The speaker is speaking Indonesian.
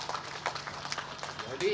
jadi besok itu mereka